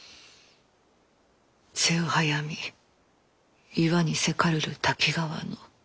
瀬をはやみ岩にせかるる瀧川の。